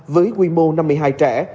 với quy mô năm mươi hai trẻ